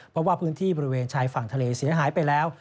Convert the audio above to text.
เพราะว่าพื้นที่บริเวณชายฝั่งทะเลเสียหายไปแล้ว